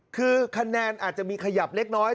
คือคะแนนอาจจะมีขยับเล็กน้อย